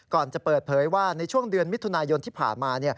ก่อนจะเปิดเผยว่าในช่วงเดือนมิถุนายนที่ผ่านมา